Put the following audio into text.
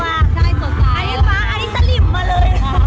อันนี้ป๊ะอันนี้สลิมมาเลย